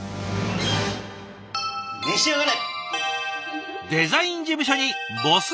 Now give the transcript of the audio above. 召し上がれ！